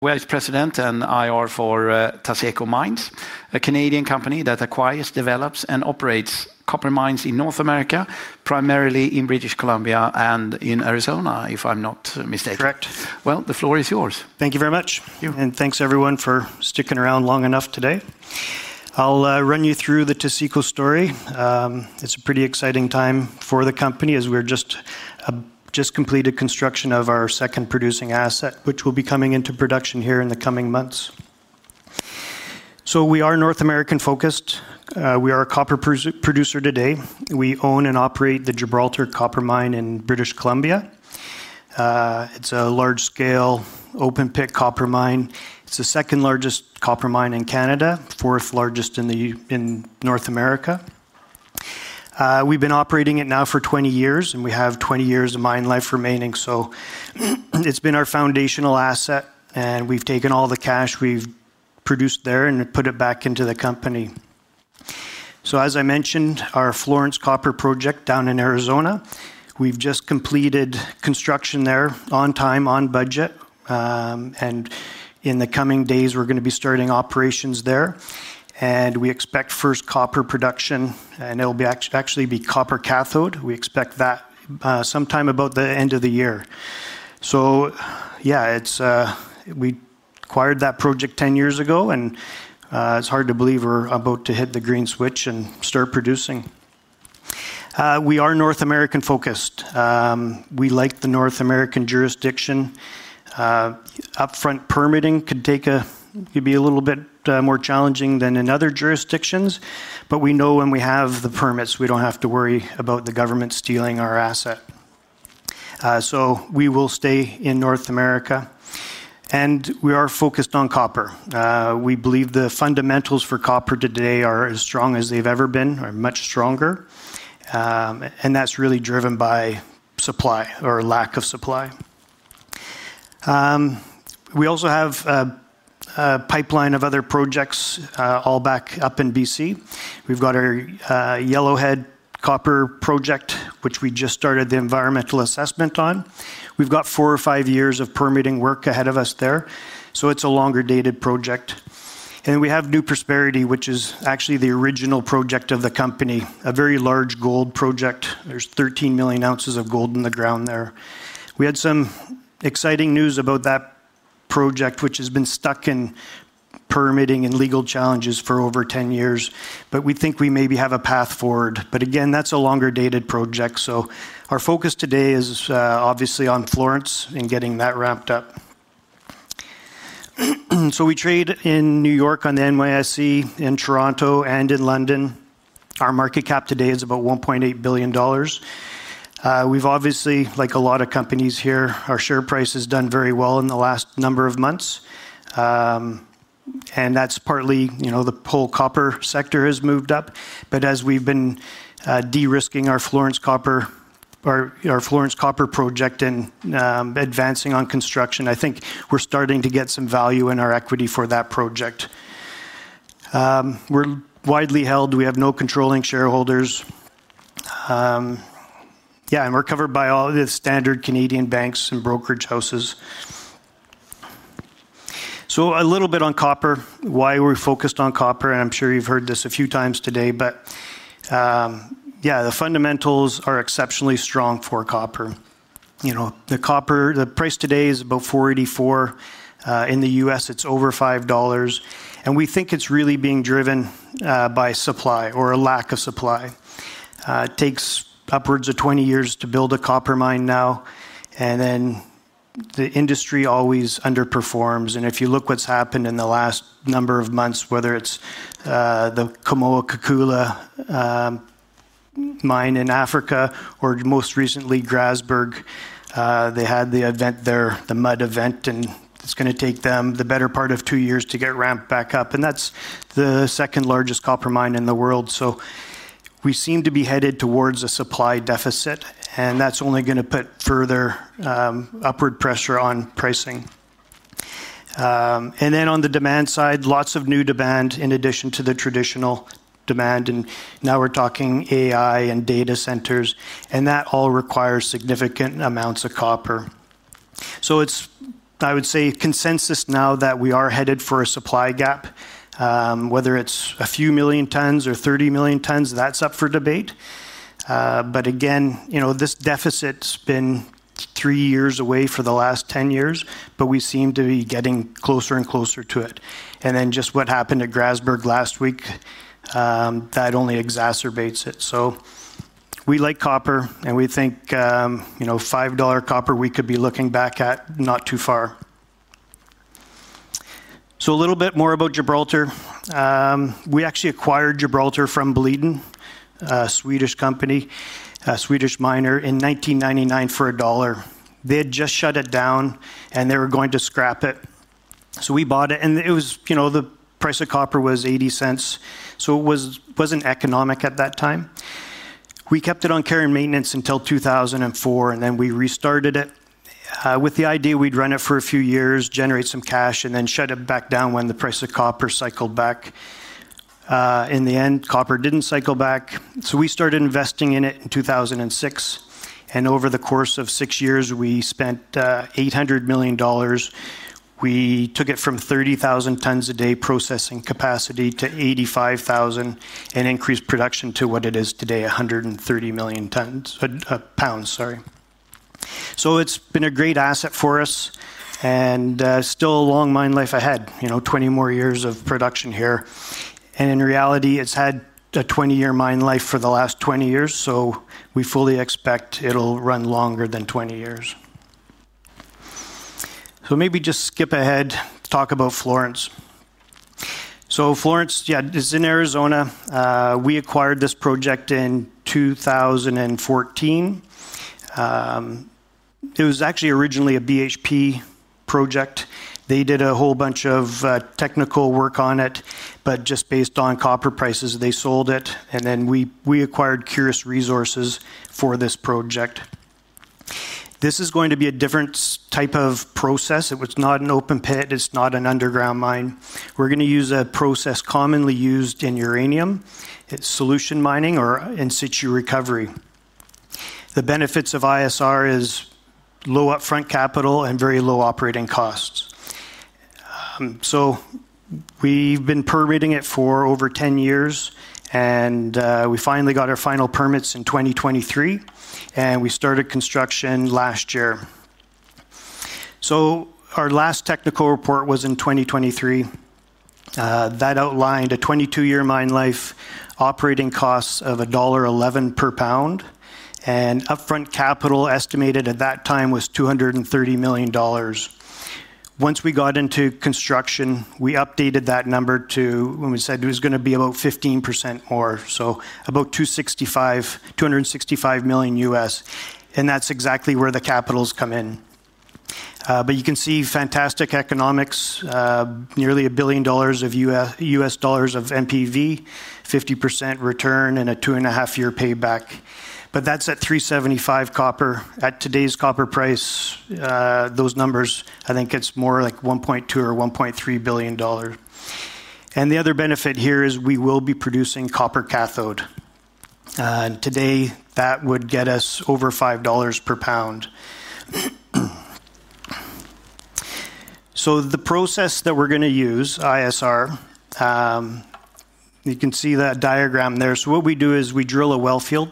President and Head of Investor Relations for Taseko Mines Limited, a Canadian company that acquires, develops, and operates copper mines in North America, primarily in British Columbia and in Arizona, if I'm not mistaken. Correct. The floor is yours. Thank you very much. And thanks, everyone, for sticking around long enough today. I'll run you through the Taseko story. It's a pretty exciting time for the company as we're just completing construction of our second producing asset, which will be coming into production here in the coming months. We are North American focused. We are a copper producer today. We own and operate the Gibraltar Mine in British Columbia. It's a large-scale open-pit copper mine. It's the second largest copper mine in Canada, the fourth largest in North America. We've been operating it now for 20 years, and we have 20 years of mine life remaining. It's been our foundational asset, and we've taken all the cash we've produced there and put it back into the company. As I mentioned, our Florence Copper Project down in Arizona, we've just completed construction there on time, on budget, and in the coming days, we're going to be starting operations there. We expect first copper production, and it'll actually be copper cathode. We expect that sometime about the end of the year. We acquired that project 10 years ago, and it's hard to believe we're about to hit the green switch and start producing. We are North American focused. We like the North American jurisdiction. Upfront permitting could be a little bit more challenging than in other jurisdictions, but we know when we have the permits, we don't have to worry about the government stealing our asset. We will stay in North America, and we are focused on copper. We believe the fundamentals for copper today are as strong as they've ever been or much stronger, and that's really driven by supply or lack of supply. We also have a pipeline of other projects all back up in British Columbia. We've got our Yellowhead Copper Project, which we just started the environmental assessment on. We've got four or five years of permitting work ahead of us there. It's a longer-dated project. We have New Prosperity, which is actually the original project of the company, a very large gold project. There's 13 million ounces of gold in the ground there. We had some exciting news about that project, which has been stuck in permitting and legal challenges for over 10 years, but we think we maybe have a path forward. Again, that's a longer-dated project. Our focus today is obviously on Florence and getting that ramped up. We trade in New York on the NYSE, in Toronto, and in London. Our market cap today is about 1.8 billion dollars. We've obviously, like a lot of companies here, our share price has done very well in the last number of months, and that's partly, you know, the whole copper sector has moved up. As we've been de-risking our Florence Copper Project and advancing on construction, I think we're starting to get some value in our equity for that project. We're widely held. We have no controlling shareholders. We're covered by all the standard Canadian banks and brokerage houses. A little bit on copper, why we're focused on copper, and I'm sure you've heard this a few times today, but the fundamentals are exceptionally strong for copper. The price today is about 4.84. In the U.S., it's over 5 dollars, and we think it's really being driven by supply or a lack of supply. It takes upwards of 20 years to build a copper mine now, and the industry always underperforms. If you look at what's happened in the last number of months, whether it's the Kamoa-Kakula mine in Africa or most recently Grasberg, they had the event there, the mud event, and it's going to take them the better part of two years to get ramped back up. That's the second largest copper mine in the world. We seem to be headed towards a supply deficit, and that's only going to put further upward pressure on pricing. On the demand side, lots of new demand in addition to the traditional demand. Now we're talking AI and data centers, and that all requires significant amounts of copper. I would say consensus now that we are headed for a supply gap, whether it's a few million tons or 30 million tons, that's up for debate. This deficit has been three years away for the last 10 years, but we seem to be getting closer and closer to it. What happened to Grasberg last week only exacerbates it. We like copper, and we think 5 dollar copper we could be looking back at not too far. A little bit more about Gibraltar. We actually acquired Gibraltar from Boliden, a Swedish company, a Swedish miner, in 1999 for a dollar. They had just shut it down, and they were going to scrap it. We bought it, and the price of copper was 0.80. It wasn't economic at that time. We kept it on care and maintenance until 2004, and then we restarted it with the idea we'd run it for a few years, generate some cash, and then shut it back down when the price of copper cycled back. In the end, copper didn't cycle back. We started investing in it in 2006, and over the course of six years, we spent 800 million dollars. We took it from 30,000 tons a day processing capacity to 85,000 and increased production to what it is today, 130 million lbs, sorry. It's been a great asset for us and still a long mine life ahead, you know, 20 more years of production here. In reality, it's had a 20-year mine life for the last 20 years, so we fully expect it'll run longer than 20 years. Maybe just skip ahead, talk about Florence. Florence, yeah, it's in Arizona. We acquired this project in 2014. It was actually originally a BHP project. They did a whole bunch of technical work on it, but just based on copper prices, they sold it. We acquired Curis Resources for this project. This is going to be a different type of process. It's not an open pit. It's not an underground mine. We're going to use a process commonly used in uranium. It's solution mining or in-situ recovery. The benefits of ISR are low upfront capital and very low operating costs. We've been permitting it for over 10 years, and we finally got our final permits in 2023, and we started construction last year. Our last technical report was in 2023. That outlined a 22-year mine life, operating costs of dollar 1.11 per pound, and upfront capital estimated at that time was 230 million dollars. Once we got into construction, we updated that number to when we said it was going to be about 15% more, so about $265 million, and that's exactly where the capital's come in. You can see fantastic economics, nearly $1 billion of NPV, 50% return, and a two-and-a-half-year payback. That's at 3.75 copper. At today's copper price, those numbers, I think it's more like 1.2 billion or 1.3 billion dollars. The other benefit here is we will be producing copper cathode. Today, that would get us over 5 dollars per pound. The process that we're going to use, ISR, you can see that diagram there. What we do is we drill a well field.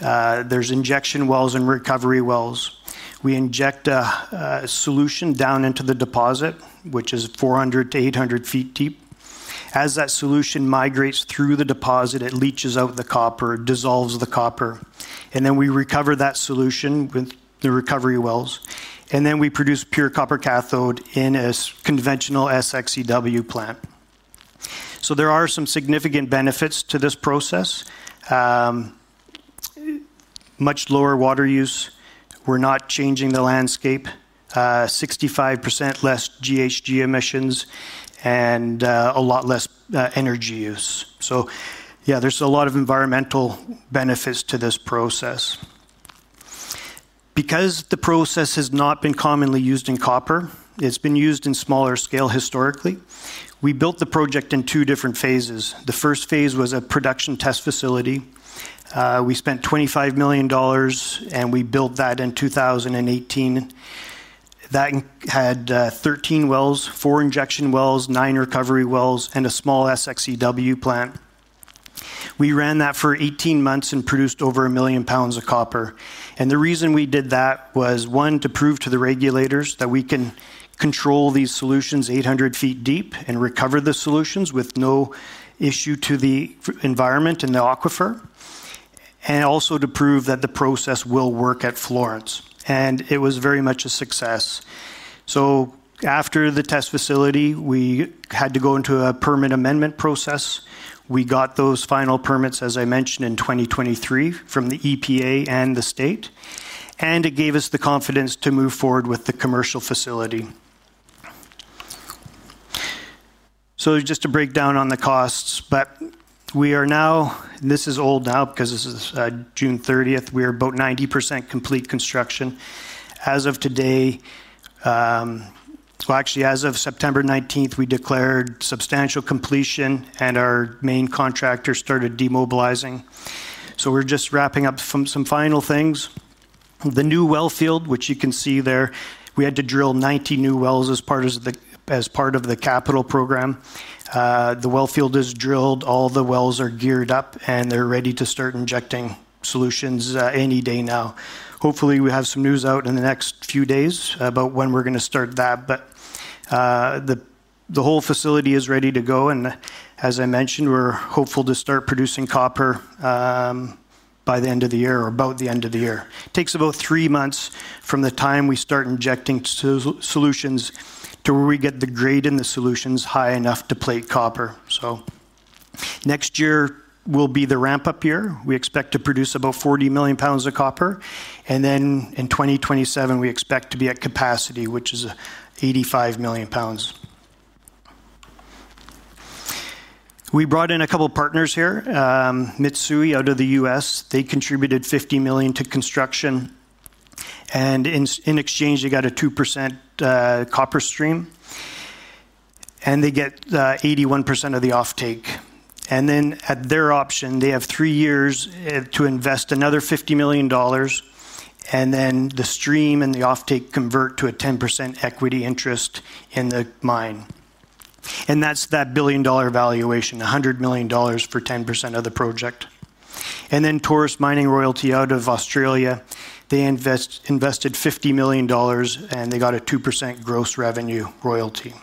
There's injection wells and recovery wells. We inject a solution down into the deposit, which is 400 ft-800 ft deep. As that solution migrates through the deposit, it leaches out the copper, dissolves the copper, and then we recover that solution with the recovery wells. Then we produce pure copper cathode in a conventional SXEW plant. There are some significant benefits to this process: much lower water use, we're not changing the landscape, 65% less GHG emissions, and a lot less energy use. There are a lot of environmental benefits to this process. Because the process has not been commonly used in copper, it's been used in smaller scale historically. We built the project in two different phases. The first phase was a production test facility. We spent 25 million dollars, and we built that in 2018. That had 13 wells, four injection wells, nine recovery wells, and a small SXEW plant. We ran that for 18 months and produced over 1 million lbs of copper. The reason we did that was, one, to prove to the regulators that we can control these solutions 800 ft deep and recover the solutions with no issue to the environment and the aquifer, and also to prove that the process will work at Florence. It was very much a success. After the test facility, we had to go into a permit amendment process. We got those final permits, as I mentioned, in 2023 from the EPA and the state, and it gave us the confidence to move forward with the commercial facility. Just to break down on the costs, but we are now, this is old now because this is June 30th, we're about 90% complete construction. As of today, actually, as of September 19th, we declared substantial completion, and our main contractor started demobilizing. We're just wrapping up some final things. The new well field, which you can see there, we had to drill 90 new wells as part of the capital program. The well field is drilled, all the wells are geared up, and they're ready to start injecting solutions any day now. Hopefully, we have some news out in the next few days about when we're going to start that, but the whole facility is ready to go. As I mentioned, we're hopeful to start producing copper by the end of the year or about the end of the year. It takes about three months from the time we start injecting solutions to where we get the grade in the solutions high enough to plate copper. Next year will be the ramp-up year. We expect to produce about 40 million lbs of copper, and then in 2027, we expect to be at capacity, which is 85 million lbs. We brought in a couple of partners here, Mitsui & Co. out of the U.S. They contributed 50 million to construction, and in exchange, they got a 2% copper stream, and they get 81% of the offtake. At their option, they have three years to invest another 50 million dollars, and then the stream and the offtake convert to a 10% equity interest in the mine. That's that billion-dollar valuation, 100 million dollars for 10% of the project. Taurus Mining Royalty out of Australia invested 50 million dollars, and they got a 2% gross revenue royalty.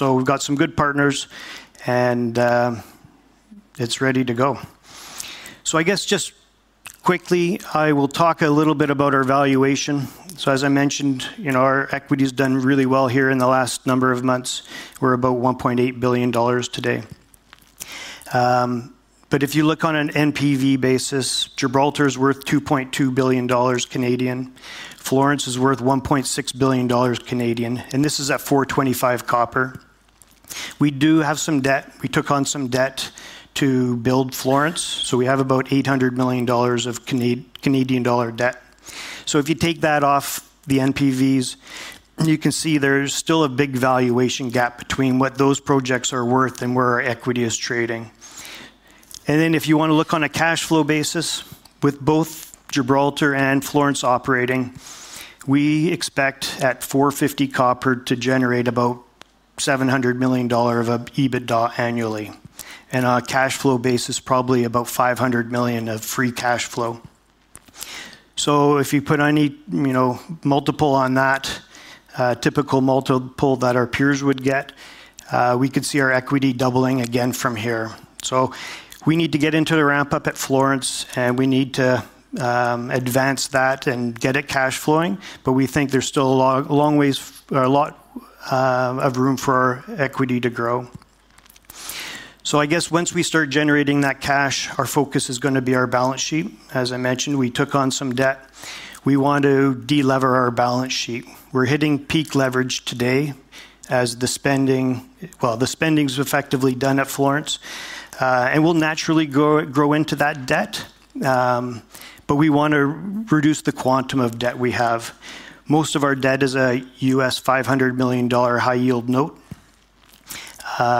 We've got some good partners, and it's ready to go. I will talk a little bit about our valuation. As I mentioned, our equity has done really well here in the last number of months. We're about 1.8 billion dollars today. If you look on an NPV basis, Gibraltar Mine is worth 2.2 billion Canadian dollars. Florence Copper Project is worth 1.6 billion Canadian dollars, and this is at 4.25 copper. We do have some debt. We took on some debt to build Florence. We have about 800 million dollars of debt. If you take that off the NPVs, you can see there's still a big valuation gap between what those projects are worth and where our equity is trading. If you want to look on a cash flow basis, with both Gibraltar Mine and Florence Copper Project operating, we expect at 4.50 copper to generate about 700 million dollar of EBITDA annually, and on a cash flow basis, probably about 500 million of free cash flow. If you put any multiple on that, a typical multiple that our peers would get, we could see our equity doubling again from here. We need to get into the ramp-up at Florence, and we need to advance that and get it cash flowing, but we think there's still a long ways, a lot of room for our equity to grow. Once we start generating that cash, our focus is going to be our balance sheet. As I mentioned, we took on some debt. We want to de-lever our balance sheet. We're hitting peak leverage today as the spending is effectively done at Florence, and we'll naturally grow into that debt, but we want to reduce the quantum of debt we have. Most of our debt is $500 million high-yield note.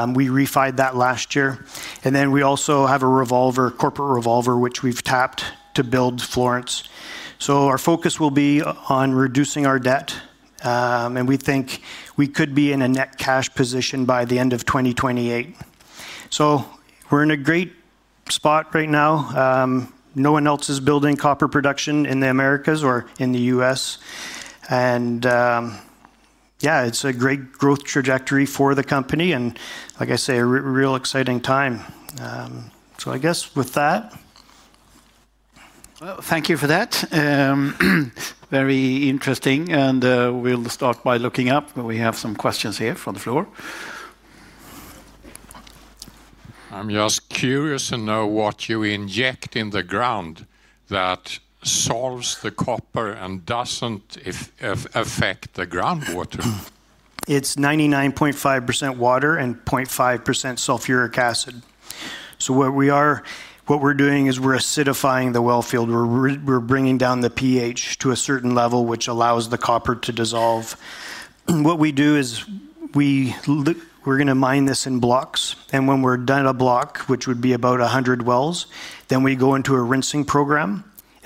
We refined that last year, and we also have a revolver, corporate revolver, which we've tapped to build Florence. Our focus will be on reducing our debt, and we think we could be in a net cash position by the end of 2028. We're in a great spot right now. No one else is building copper production in the Americas or in the U.S., and yeah, it's a great growth trajectory for the company, and like I say, a real exciting time. I guess with that... Thank you for that. Very interesting, and we'll start by looking up. We have some questions here from the floor. I'm just curious to know what you inject in the ground that dissolves the copper and doesn't affect the groundwater. It's 99.5% water and 0.5% sulfuric acid. What we're doing is we're acidifying the well field. We're bringing down the pH to a certain level, which allows the copper to dissolve. What we do is we're going to mine this in blocks, and when we're done at a block, which would be about 100 wells, we go into a rinsing program.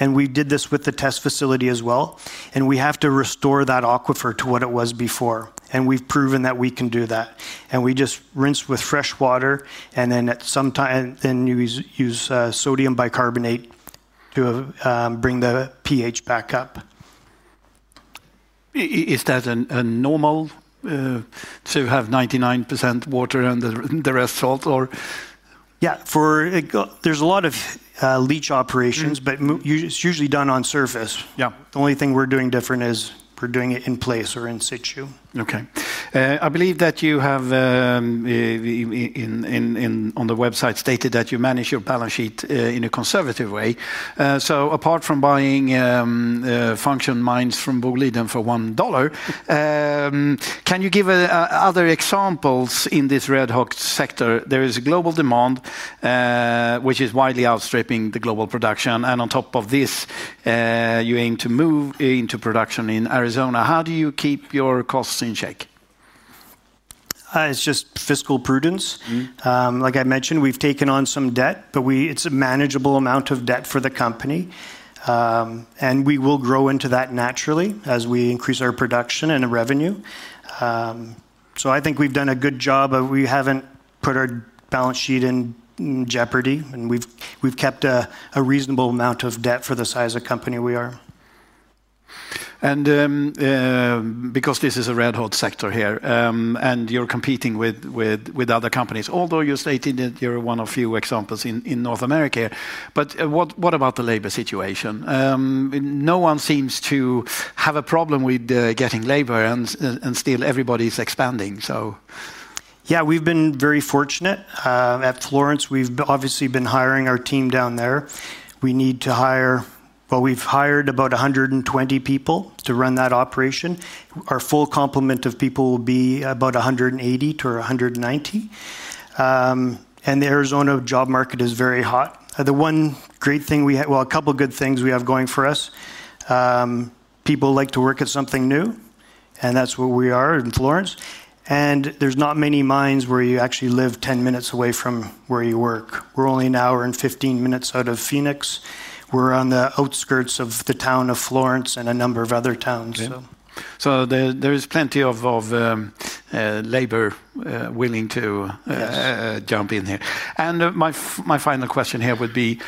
We did this with the test facility as well, and we have to restore that aquifer to what it was before, and we've proven that we can do that. We just rinse with fresh water, and sometimes you use sodium bicarbonate to bring the pH back up. Is that normal to have 99% water and the rest salt? Yeah, there's a lot of leach operations, but it's usually done on surface. The only thing we're doing different is we're doing it in place or in-situ. Okay. I believe that you have on the website stated that you manage your balance sheet in a conservative way. Apart from buying function mines from Boliden for 1 dollar, can you give other examples in this red-hawk sector? There is a global demand, which is widely outstripping the global production, and on top of this, you aim to move into production in Arizona. How do you keep your costs in check? It's just fiscal prudence. Like I mentioned, we've taken on some debt, but it's a manageable amount of debt for the company, and we will grow into that naturally as we increase our production and revenue. I think we've done a good job. We haven't put our balance sheet in jeopardy, and we've kept a reasonable amount of debt for the size of the company we are. Because this is a red-hot sector here, and you're competing with other companies, although you stated that you're one of few examples in North America, what about the labor situation? No one seems to have a problem with getting labor, and still everybody's expanding. Yeah, we've been very fortunate. At Florence, we've obviously been hiring our team down there. We need to hire, we've hired about 120 people to run that operation. Our full complement of people will be about 180-190, and the Arizona job market is very hot. The one great thing we have, a couple of good things we have going for us, people like to work at something new, and that's where we are in Florence. There's not many mines where you actually live 10 minutes away from where you work. We're only an hour and 15 minutes out of Phoenix. We're on the outskirts of the town of Florence and a number of other towns. There is plenty of labor willing to jump in here. My final question here would be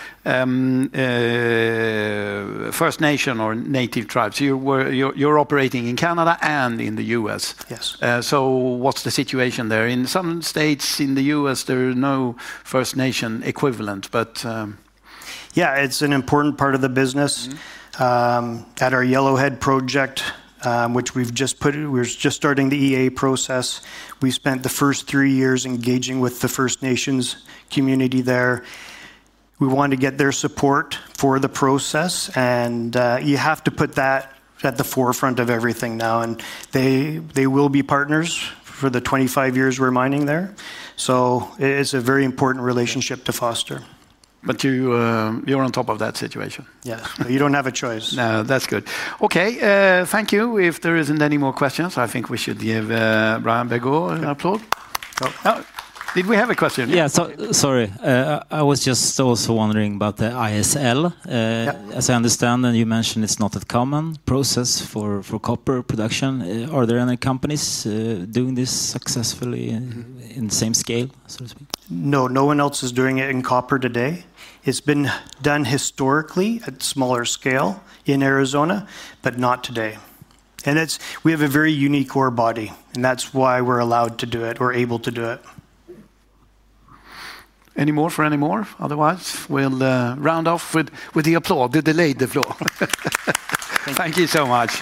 First Nation or native tribes. You're operating in Canada and in the U.S. Yes. What's the situation there? In some states in the U.S., there are no First Nation equivalent, but... Yeah, it's an important part of the business. At our Yellowhead Project, which we've just put in, we're just starting the EA process. We spent the first three years engaging with the First Nations community there. We wanted to get their support for the process, and you have to put that at the forefront of everything now. They will be partners for the 25 years we're mining there. It's a very important relationship to foster. You are on top of that situation. Yeah, you don't have a choice. No, that's good. Okay, thank you. If there isn't any more questions, I think we should give Brian Bergot an applause. Did we have a question? Sorry, I was just also wondering about the ISR. As I understand, and you mentioned it's not a common process for copper production. Are there any companies doing this successfully in the same scale? No, no one else is doing it in copper today. It's been done historically at smaller scale in Arizona, but not today. We have a very unique core body, and that's why we're allowed to do it. We're able to do it. Any more for any more? Otherwise, we'll round off with the applause. The delayed applause. Thank you so much.